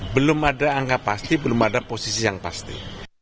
belum ada angka pasti belum ada posisi yang pasti